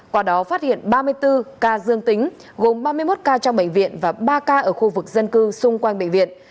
qua đó phát hiện ba mươi bốn ca dương tính gồm ba mươi một ca trong bệnh viện và ba ca ở khu vực dân cư xung quanh bệnh viện